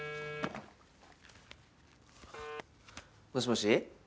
もしもし？